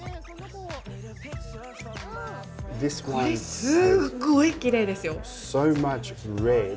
これすっごいきれいですよ。